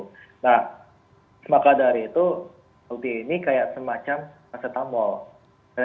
nah maka dari itu blt ini kayak semacam pasetamol